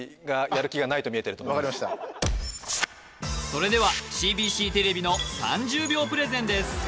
それではＣＢＣテレビの３０秒プレゼンです